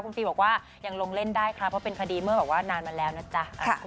คุณฟิล์บอกว่ายังลงเล่นได้ครับเพราะเป็นคดีเมื่อแบบว่านานมาแล้วนะจ๊ะ